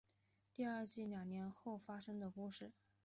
第二季两年后发生的故事。